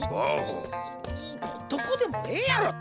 どこでもええやろって！